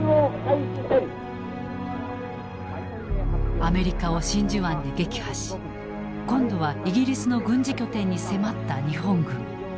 アメリカを真珠湾で撃破し今度はイギリスの軍事拠点に迫った日本軍。